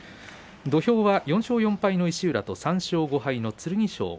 土俵は４勝４敗の石浦と３勝５敗の剣翔。